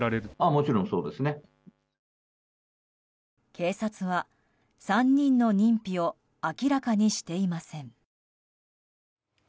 警察は、３人の認否を明らかにしていません。